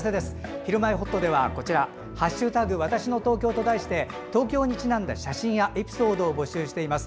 「ひるまえほっと」では「＃わたしの東京」と題して東京にちなんだ写真やエピソードを募集しています。